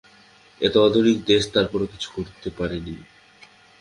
এত আধুনিক দেশ তারপরও কিছু করতে পারেনি।